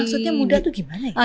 maksudnya muda itu gimana ya